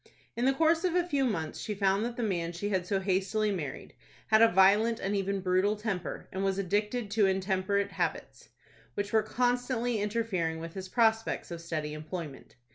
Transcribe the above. In the course of a few months, she found that the man she had so hastily married had a violent, and even brutal, temper, and was addicted to intemperate habits, which were constantly interfering with his prospects of steady employment.